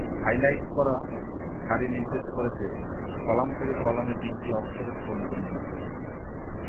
Highlight করা সারি নির্দেশ করে যে কলাম থেকে কলামে তিনটি অক্ষরের কোড ভিন্ন।